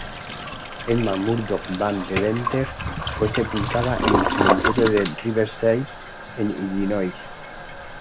Emma Murdock Van Deventer fue sepultada en el cementerio de Riverside, en Illinois.